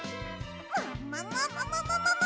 ももももももももも！